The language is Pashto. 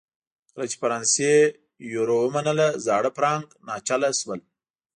کله چې فرانسې یورو ومنله زاړه فرانک ناچله شول.